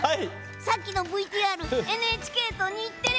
さっきのＶＴＲ、ＮＨＫと日テレ